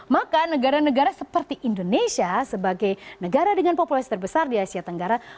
maka negara negara seperti indonesia sebagai negara dengan populasi terbesar di asia tenggara